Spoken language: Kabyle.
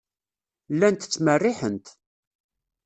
Llant ttmerriḥent.